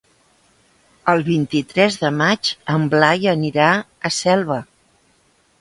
El vint-i-tres de maig en Blai anirà a Selva.